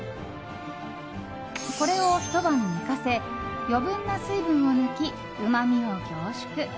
これを、ひと晩寝かせ余分な水分を抜き、うまみを凝縮。